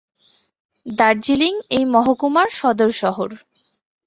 দার্জিলিং এই মহকুমার সদর শহর।